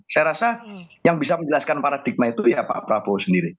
saya rasa yang bisa menjelaskan paradigma itu ya pak prabowo sendiri